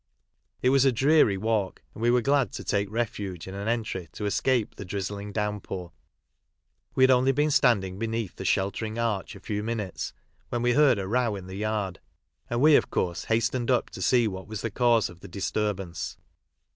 It was a dreary walk, and we were glad to take ^ef uge in an entry to escape the drizzling downpour. we had only been standing beneath the sheltering arch a few minutes, when we heard a " r»w^ in the yard, and we, of course, hastened up to see what was the cause of the disturbance.